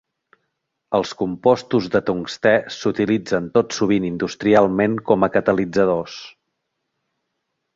Els compostos de tungstè s'utilitzen tot sovint industrialment com a catalitzadors.